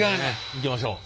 いきましょう。